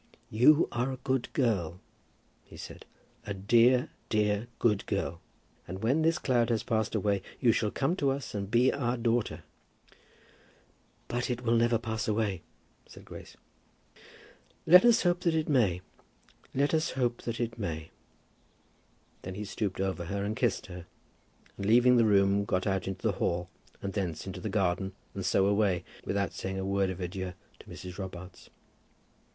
"You are a good girl," he said "a dear, dear, good girl. When this cloud has passed away, you shall come to us and be our daughter." "But it will never pass away," said Grace. [Illustration: "But it will never pass away," said Grace.] "Let us hope that it may. Let us hope that it may." Then he stooped over her and kissed her, and leaving the room, got out into the hall and thence into the garden, and so away, without saying a word of adieu to Mrs. Robarts.